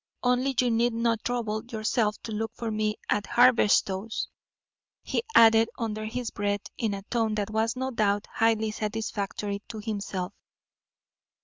Only you need not trouble yourself to look for me at Haberstow's," he added under his breath in a tone that was no doubt highly satisfactory to himself.